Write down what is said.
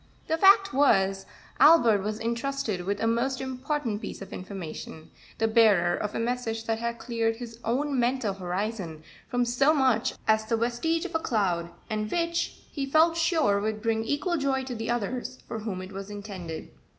The fact was, Albert was intrusted with a most important piece of information the bearer of a message that had cleared his own mental horizon from so much as the vestige of a cloud, and which he felt sure would bring equal joy to the others for whom it was intended.